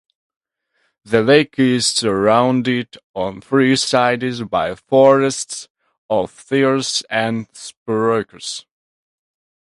The lake is surrounded on three sides by forests of firs and spruces.